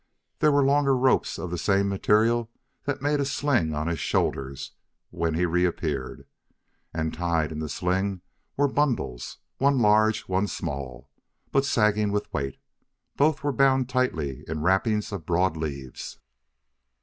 There were longer ropes of the same material that made a sling on his shoulders when he reappeared. And, tied in the sling, were bundles; one large, one small, but sagging with weight. Both were bound tightly in wrappings of broad leaves.